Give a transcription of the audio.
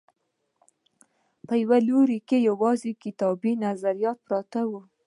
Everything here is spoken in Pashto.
په یوه لوري کې یوازې کتابي نظریات پرت دي.